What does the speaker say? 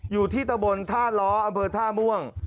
อยู่ที่ตะบนท่าล้ออำเภอท่าม่วง